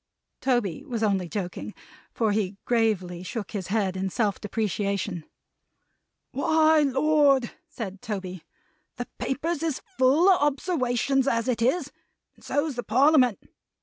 Tony was only joking, for he gravely shook his head in self depreciation. "Why! Lord!" said Toby. "The Papers is full of obserwations as it is; and so's the Parliament.